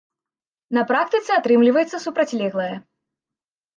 На практыцы атрымліваецца супрацьлеглае.